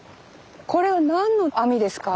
これは何の網ですか？